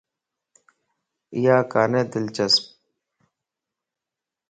ايا ڪاني دلچسپ